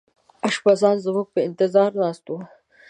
اشپزان زموږ په انتظار ناست وو.